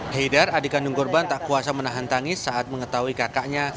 haidar adik kandung korban tak kuasa menahan tangis saat mengetahui kakaknya